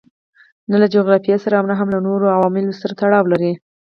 نه له جغرافیې سره او نه هم له نورو عواملو سره تړاو لري.